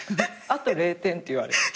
あと０点って言われ。